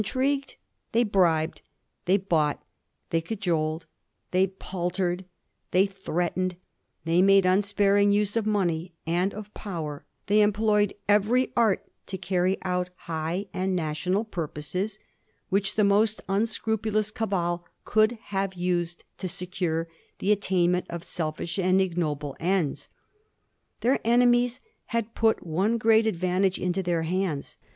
27 trigued, they bribed, they bought, they cajoled, they paltered, they threatened, they made imsparmg use of money and of power, they employed every art to carry out high and national purposes which the most unscrupulous cabal could have used to secure the attainment of selfish and ignoble ends. Their enemies had put one great advantage into their hands.